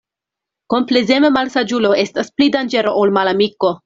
Komplezema malsaĝulo estas pli danĝera ol malamiko.